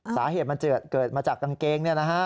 สาเหตุมันเกิดมาจากกางเกง